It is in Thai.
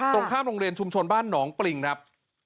ตรงข้ามโรงเรียนชุมชนบ้านหนองปริงครับ